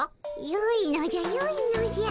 よいのじゃよいのじゃ。